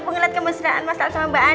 pengen liat kamu senang masalah sama mbak an